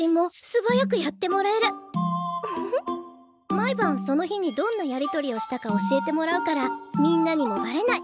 毎晩その日にどんなやり取りをしたか教えてもらうからみんなにもバレない。